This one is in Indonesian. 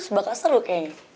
sebab kasar lu kayaknya